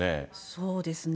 そうですね。